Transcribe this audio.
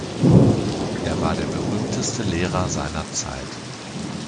Er war der berühmteste Lehrer seiner Zeit.